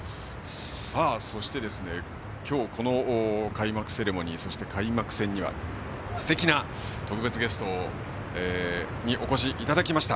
そして、今日この開幕セレモニー開幕戦にはすてきな特別ゲストにお越しいただきました。